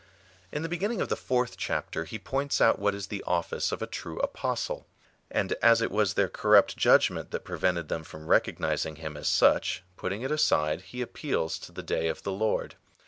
In the beginning of the fourth chapter he points out what is the office of a true apostle. And as it was their corrupt judgment that prevented them from recognising him as such, putting it aside, he appeals to the day of the Lord.